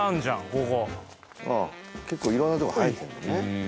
ここああ結構色んなとこ生えてんだね